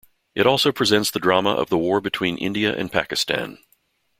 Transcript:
It also presents the drama of the war between India and Pakistan.